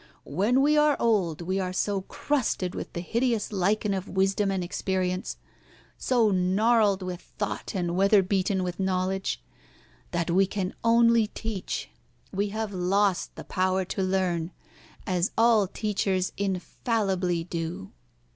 When we are old we are so crusted with the hideous lichen of wisdom and experience, so gnarled with thought, and weather beaten with knowledge, that we can only teach. We have lost the power to learn, as all teachers infallibly do."